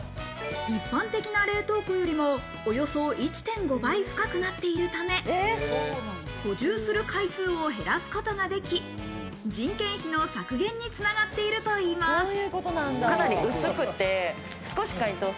一般的な冷凍庫よりもおよそ１．５倍深くなっているため、補充する回数を減らすことができ、人件費の削減に繋がっているといいます。